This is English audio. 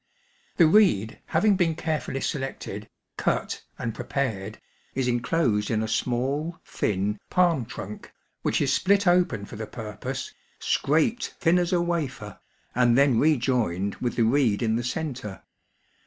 The reed having been carefully selected, cut, and prepared, is enclosed in a small, thin, palm trunk, which is spUt open for the purpose, scmped thin as a wafer, and then rejoined with the reed in the centre.